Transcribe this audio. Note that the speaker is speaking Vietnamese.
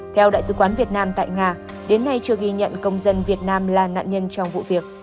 theo đại sứ quán việt nam tại nga đến nay chưa ghi nhận công dân việt nam là nạn nhân trong vụ việc